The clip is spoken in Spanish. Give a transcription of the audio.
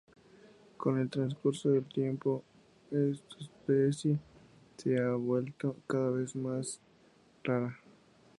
Con el transcurso del tiempo, esta especie se ha vuelto cada vez más rara.